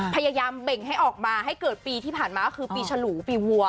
พยายามเบ่งให้ออกมาให้เกิดปีที่ผ่านมาก็คือปีฉลูปีวัว